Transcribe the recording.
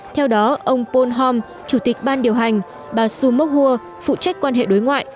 theo đó ông paul hom chủ tịch ban điều hành bà sue mok hua phụ trách quan hệ đối ngoại